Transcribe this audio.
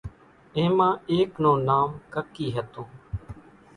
اين مان ايڪ نون نام ڪڪِي ھتون